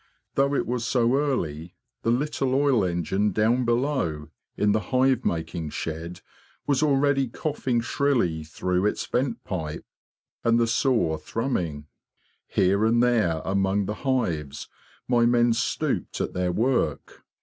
Though it was so early, the little oil engine down below in the hive making shed was already coughing shrilly through its vent pipe, and the saw thrummiug. Here and there among the hives my men stooped at their work.